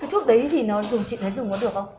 cái thuốc đấy thì nó dùng chị thấy dùng nó được không